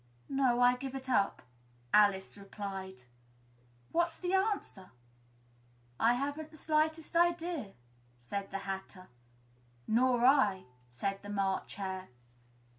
"No, I give it up," Alice replied. "What's the answer?" "I haven't the slightest idea," said the Hatter. "Nor I," said the March Hare.